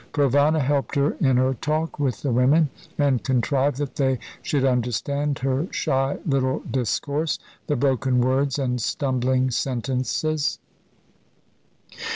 Provana helped her in her talk with the women, and contrived that they should understand her shy little discourse, the broken words and stumbling sentences.